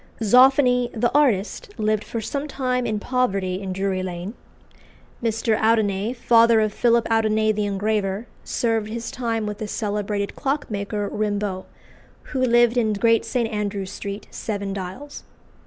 Zoffany, the artist, lived for some time in poverty in Drury Lane. Mr. Audinet, father of Philip Audinet the engraver, served his time with the celebrated clockmaker, Rimbault, who lived in Great St. Andrew's Street, Seven Dials.